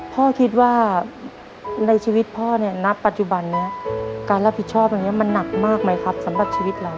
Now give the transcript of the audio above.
พ่อคิดว่าในชีวิตพ่อเนี่ยณปัจจุบันนี้การรับผิดชอบตรงนี้มันหนักมากไหมครับสำหรับชีวิตเรา